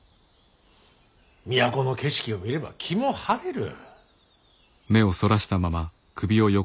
都の景色を見れば気も晴れる。